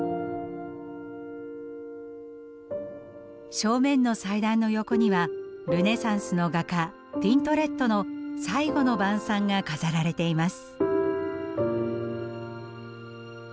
正面の祭壇の横にはルネサンスの画家ティントレットの「最後の晩餐」が飾られています。